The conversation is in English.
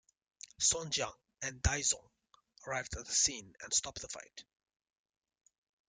Song Jiang and Dai Zong arrive at the scene and stop the fight.